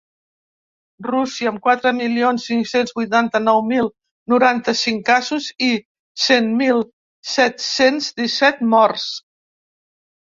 Rússia, amb quatre milions cinc-cents vuitanta-nou mil noranta-cinc casos i cent mil set-cents disset morts.